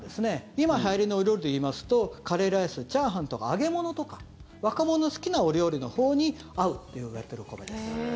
今はやりの料理で言いますとカレーライス、チャーハンとか揚げ物とか若者が好きなお料理のほうに合うといわれているお米です。